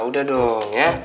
udah dong ya